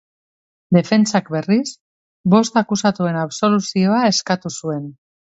Defentsak, berriz, bost akusatuen absoluzioa eskatu zuen.